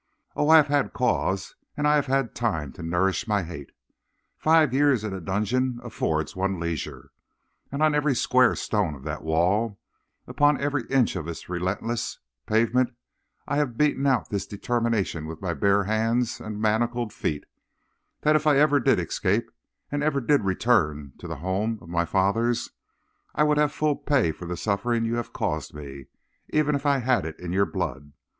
Oh! I have had cause, and I have had time to nourish my hate. Five years in a dungeon affords one leisure, and on every square stone of that wall, and upon every inch of its relentless pavement, I have beaten out this determination with my bare hands and manacled feet, that if I ever did escape, and ever did return to the home of my fathers, I would have full pay for the suffering you have caused me, even if I had it in your blood.